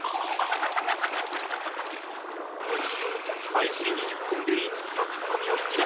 開始２０分で５つのツッコミを引き出し